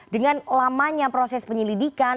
dengan lamanya proses penyelidikan